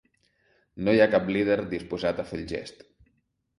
No hi ha cap líder disposat a fer el gest